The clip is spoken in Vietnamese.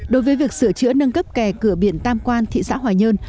đối với việc sửa chữa nâng cấp kè cửa biển tam quan thị xã hòa nhơn